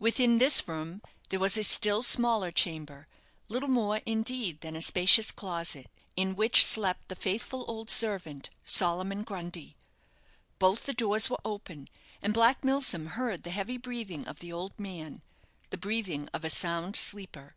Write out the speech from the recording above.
Within this room there was a still smaller chamber little more, indeed, than a spacious closet in which slept the faithful old servant, Solomon Grundy. Both the doors were open, and Black Milsom heard the heavy breathing of the old man the breathing of a sound sleeper.